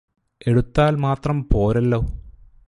എടുത്താല് മാത്രം പോരല്ലോ